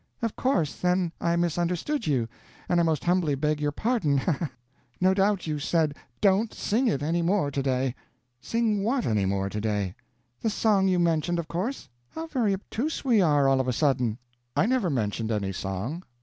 Of course, then, I misunderstood you, and I most humbly beg your pardon, ha ha ha! No doubt you said, 'Don't sing it any more to day.'" "Sing what any more to day?" "The song you mentioned, of course, How very obtuse we are, all of a sudden!" "I never mentioned any song."